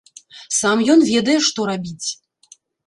Сам ён ведае, што рабіць.